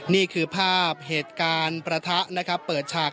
นี่คือภาพเหตุการณ์ประทะนะครับเปิดฉาก